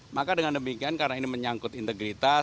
maka dengan demikian karena ini menyangkut integritas